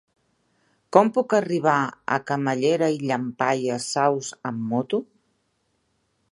Com puc arribar a Camallera i Llampaies Saus amb moto?